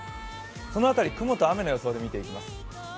その辺り、雲と雨の予想で見ていきます。